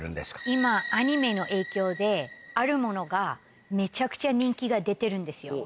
今アニメの影響で、あるものがめちゃくちゃ人気が出てるんですよ。